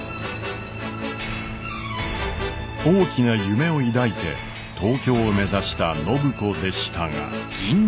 大きな夢を抱いて東京を目指した暢子でしたが。